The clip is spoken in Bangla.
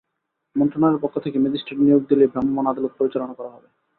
মন্ত্রণালয়ের পক্ষ থেকে ম্যাজিস্ট্রেট নিয়োগ দিলেই ভ্রাম্যমাণ আদালত পরিচালনা করা হবে।